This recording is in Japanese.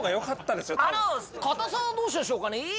硬さはどうしましょうかね？